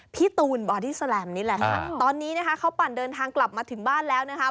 พี่ตูนบอดี้แลมนี่แหละค่ะตอนนี้นะคะเขาปั่นเดินทางกลับมาถึงบ้านแล้วนะคะ